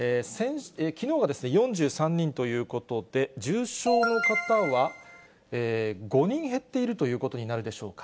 きのうが４３人ということで、重症の方は５人減っているということになるでしょうか。